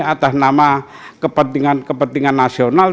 atas nama kepentingan kepentingan nasional